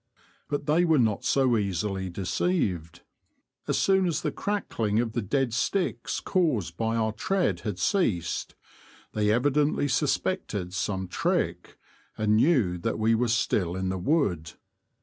But they were not so easily deceived. As soon as the crackling of the dead sticks caused by our tread had ceased, they evidently suspected some trick, and knew that we were still in the wood.